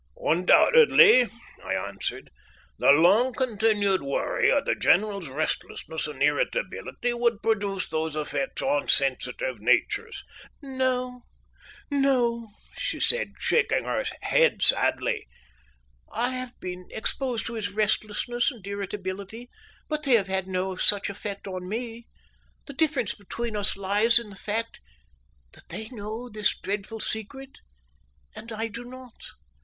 "Undoubtedly," I answered. "The long continued worry of the general's restlessness and irritability would produce those effects on sensitive natures." "No, no!" said she, shaking her head sadly, "I have been exposed to his restlessness and irritability, but they have had no such effect upon me. The difference between us lies in the fact that they know this awful secret and I do not."